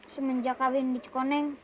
semenjak kawin dicekoneng